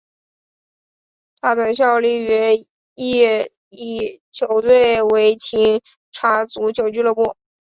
他曾效力于意乙球队维琴察足球俱乐部。